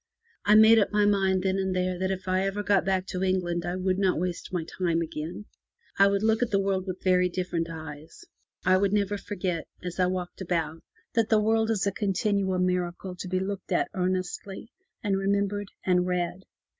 I made up my mind then and there that if I ever got back to England I would not waste my time again. I would look 271 MY BOOK HOUSE at the world with very different eyes; I would never forget, as I walked about, that the world is a continual miracle to be looked at earnestly, and remembered and read.